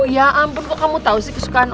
ya ampun kok kamu tau sih kesukaan